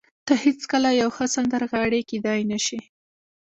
ته هېڅکله یوه ښه سندرغاړې کېدای نشې